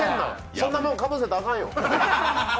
そんなもんかぶせたらアカンよ。